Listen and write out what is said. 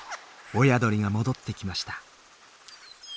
親鳥が戻ってきました。